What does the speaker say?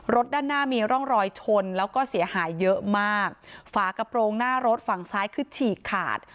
ด้านหน้ามีร่องรอยชนแล้วก็เสียหายเยอะมากฝากระโปรงหน้ารถฝั่งซ้ายคือฉีกขาด